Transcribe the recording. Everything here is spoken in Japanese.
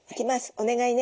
お願いね。